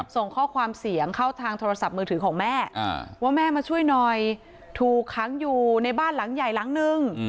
ส่งข้อความเสียงเข้าทางโทรศัพท์มือถือของแม่ว่าแม่มาช่วยหน่อยถูกค้างอยู่ในบ้านหลังใหญ่หลังนึง